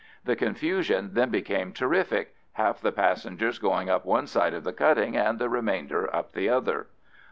The confusion then became terrific, half the passengers going up one side of the cutting, and the remainder up the other.